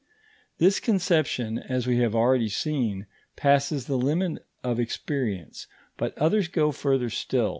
This conception, as we have already seen, passes the limit of experience; but others go further still.